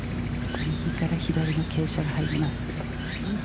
右から左の傾斜が入ります。